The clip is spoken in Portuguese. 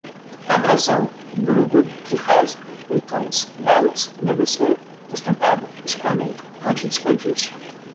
abrasão, bulbo, trifásica, leitões, baias, umedecer, estampada, escoamento, antidesperdício